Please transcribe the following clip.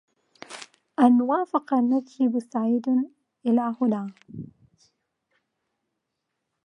إن وافق النجم السعيد هلاله